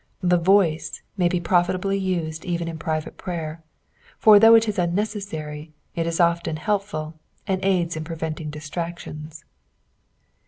The voice may be profitably nsed even in private prayer ; for though it is unnecessary, it is o'ften helpful, and aids in preventing distractions.